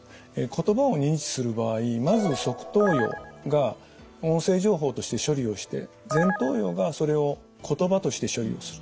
言葉を認知する場合まず側頭葉が音声情報として処理をして前頭葉がそれを言葉として処理をするということになります。